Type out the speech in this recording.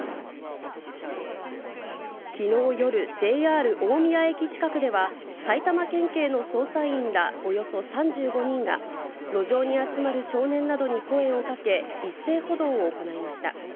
きのう夜、ＪＲ大宮駅近くでは、埼玉県警の捜査員らおよそ３５人が、路上に集まる少年などに声をかけ、一斉補導を行いました。